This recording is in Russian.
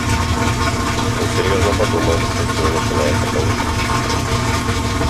Он серьезно подумал, что с ней начинается помешательство.